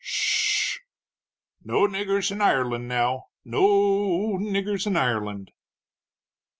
"Sh h h! No niggers in Ireland, now no o o niggers in Ireland!"